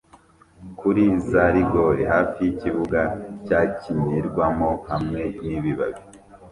kuri za rigore hafi yikibuga cyakinirwamo hamwe nibibabi